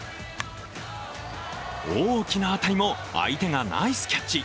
大きな当たりも相手がナイスキャッチ。